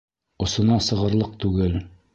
Осона сығырлыҡ түгел.